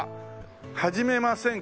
「始めませんか」。